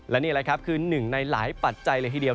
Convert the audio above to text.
และนี่แหละครับคือหนึ่งในหลายปัจจัยเลยทีเดียว